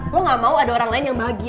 lo gak mau ada orang lain yang bahagia